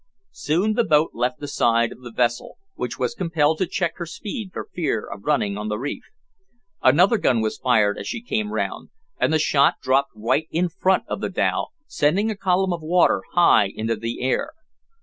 Soon the boat left the side of the vessel, which was compelled to check her speed for fear of running on the reef. Another gun was fired as she came round, and the shot dropped right in front of the dhow, sending a column of water high into the air.